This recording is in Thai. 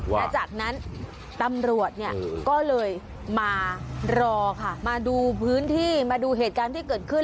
และจากนั้นตำรวจเนี่ยก็เลยมารอค่ะมาดูพื้นที่มาดูเหตุการณ์ที่เกิดขึ้น